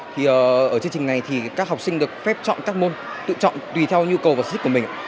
thì ở chương trình này thì các học sinh được phép chọn các môn tự chọn tùy theo nhu cầu và ít của mình